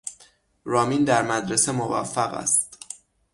رامین در مدرسه موفق است.